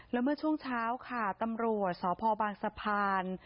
แล้วเมื่อช่วงเช้าค่ะตำรวจสพบางสะพาน